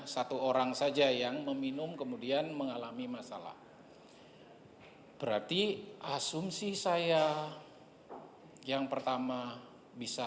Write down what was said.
satu orang saja yang meminum kemudian mengalami masalah berarti asumsi saya yang pertama bisa